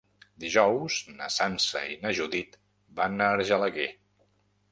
Dijous na Sança i na Judit van a Argelaguer.